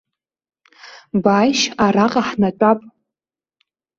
Бааишь, араҟа ҳнатәап.